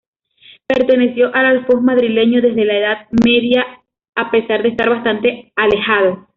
Perteneció al alfoz madrileño desde la Edad Media a pesar de estar bastante alejado.